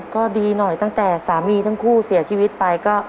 ก็ดีหน่อยตั้งแต่สามีทั้งคู่เสียชีวิตไปก็